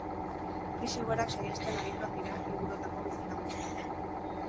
Krisi egoerak saihesten adituak dira inguruotako bizilagunak.